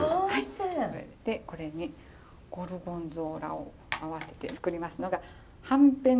でこれにゴルゴンゾーラを合わせて作りますのがはんぺん